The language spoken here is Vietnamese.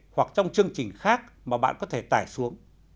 hoặc trong chương trình khác mà bạn có thể tải xuống